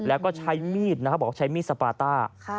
แล้วก็ใช้มีดนะครับบอกว่าใช้มีดสปาต้า